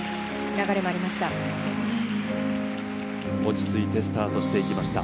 流れもありました。